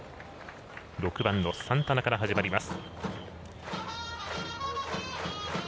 ６番のサンタナから始まります。